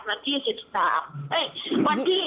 วันที่สิบสามเอ้ย